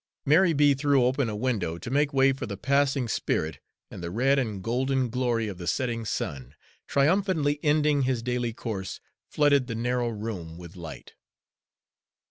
Mary B. threw open a window to make way for the passing spirit, and the red and golden glory of the setting sun, triumphantly ending his daily course, flooded the narrow room with light.